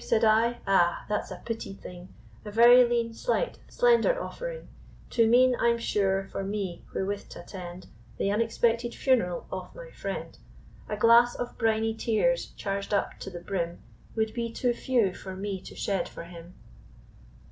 said I? ah! that's a petit thing, A very lean, slight, slender offering, Too mean, I'm sure, for me, wherewith t'attend The unexpected funeral of my friend: A glass of briny tears charged up to th' brim. Would be too few for me to shed for him.